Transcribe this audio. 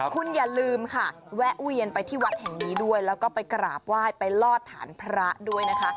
คุณอย่าลืมค่ะแวะเวียนไปที่วัดแห่งนี้ด้วยแล้วก็ไปกราบไหว้ไปลอดฐานพระด้วยนะคะ